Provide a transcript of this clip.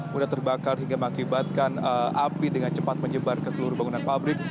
mudah terbakar hingga mengakibatkan api dengan cepat menyebar ke seluruh bangunan pabrik